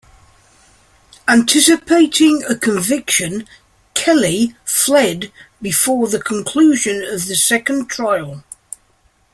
Anticipating a conviction, Kelly fled before the conclusion of the second trial.